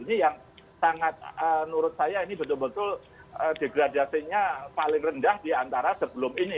ini yang sangat menurut saya ini betul betul degradasinya paling rendah di antara sebelum ini